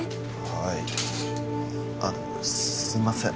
はいあっすいません